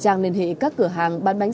trang liên hệ các cửa hàng bán bánh